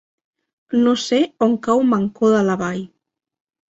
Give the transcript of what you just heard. No sé on cau Mancor de la Vall.